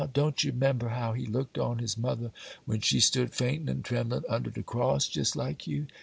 Don't ye 'member how He looked on His mother, when she stood faintin' an' tremblin' under de cross, jes' like you?